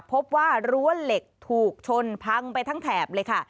พบว่ารั้วเหล็กถูกชนพังไปทั้งแถบเลยค่ะ